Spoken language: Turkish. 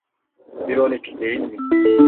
İronik, değil mi?